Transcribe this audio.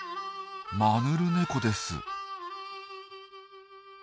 マヌルネコです。